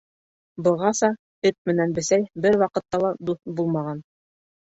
Бығаса эт менән бесәй бер ваҡытта ла дуҫ булмаған.